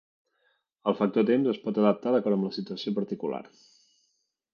El factor temps es pot adaptar d'acord amb la situació particular.